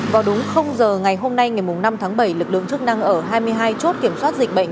vào đúng giờ ngày hôm nay ngày năm tháng bảy lực lượng chức năng ở hai mươi hai chốt kiểm soát dịch bệnh